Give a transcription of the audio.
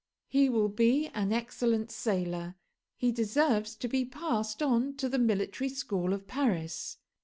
He will be an excellent sailor. He deserves to be passed on to the Military School of Paris.